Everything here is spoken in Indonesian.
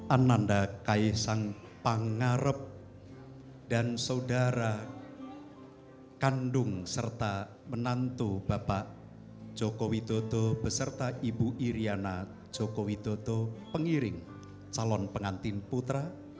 ananda kaisang pangarep dan saudara kandung serta menantu bapak joko widodo beserta ibu iryana joko widodo pengiring calon pengantin putra